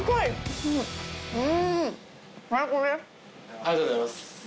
ありがとうございます。